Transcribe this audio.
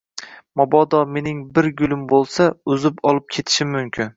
— Mabodo mening bir gulim bo‘Isa, uzib olib ketishim mumkin.